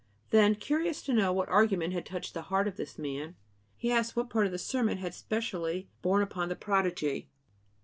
Then, curious to know what argument had touched the heart of this man, he asked him what part of the sermon had specially borne upon the prodigy.